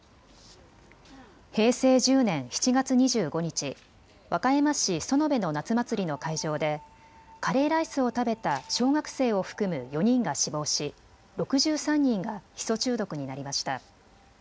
平成１０年７月２５日、和歌山市園部の夏祭りの会場で、カレーライスを食べた小学生を含む４人が死亡し６３人がヒ素中毒になりました。